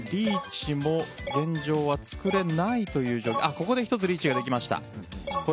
ここで１つリーチができました。